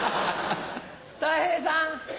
たい平さん。